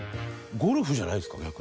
ゴルフじゃないですか？